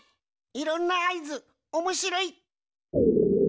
いろんなあいずおもしろい！